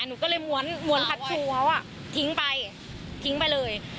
หนูก็เลยม้วนพัดชูเขาทิ้งไปทิ้งไปเลย